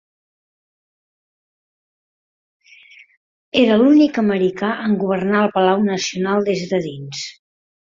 Era l'únic americà en governar el Palau Nacional des de dins.